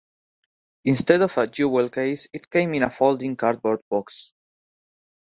Instead of a jewel case, it came in a folding cardboard box.